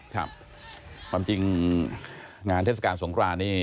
ครับความจริงงานเทศกาลสงครานนี่